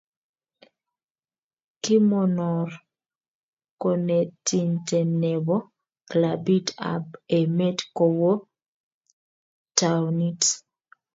Kimonor konetinte ne bo klabit ab emet kowo taonit.